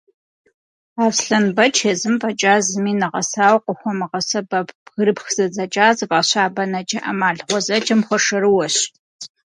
Аслъэнбэч езым фӏэкӏа зыми нэгъэсауэ къыхуэмыгъэсэбэп «бгырыпх зэдзэкӏа» зыфӏаща бэнэкӏэ ӏэмал гъуэзэджэм хуэшэрыуэщ.